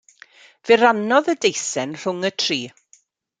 Fe rannodd y deisen rhwng y tri.